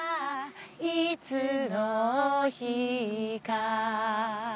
「いつの日か」